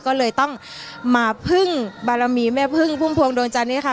ก็เลยต้องมาพึ่งบารมีแม่พึ่งพุ่มพวงดวงจันทร์นี้ค่ะ